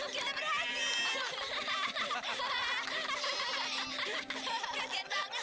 kasian banget ya